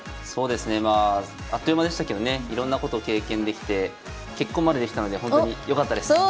そうですねあっという間でしたけどねいろんなこと経験できて結婚までできたのでほんとによかったです。